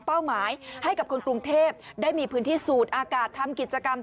หมายให้กับคนกรุงเทพได้มีพื้นที่สูดอากาศทำกิจกรรม